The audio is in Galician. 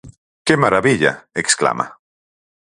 Que marabilla, exclama.